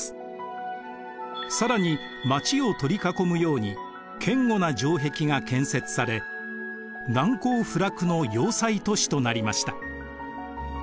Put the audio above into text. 更に街を取り囲むように堅固な城壁が建設され難攻不落の要塞都市となりました。